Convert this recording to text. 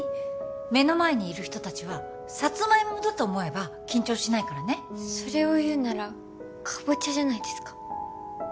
目の前にいる人達はサツマイモだと思えば緊張しないからねそれを言うならカボチャじゃないですか？